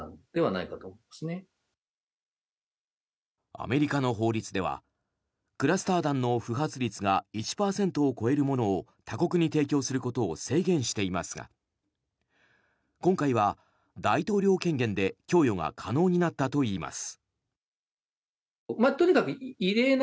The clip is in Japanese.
アメリカの法律ではクラスター弾の不発率が１％を超えるものを他国に提供することを制限していますが今回は大統領権限で供与が可能になったといいます。